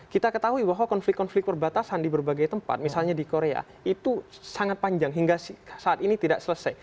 kita ketahui bahwa konflik konflik perbatasan di berbagai tempat misalnya di korea itu sangat panjang hingga saat ini tidak selesai